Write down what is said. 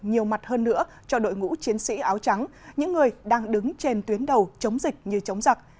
nhiều mặt hơn nữa cho đội ngũ chiến sĩ áo trắng những người đang đứng trên tuyến đầu chống dịch như chống giặc